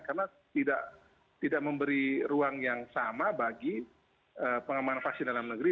karena tidak memberi ruang yang sama bagi pengaman vaksin dalam negeri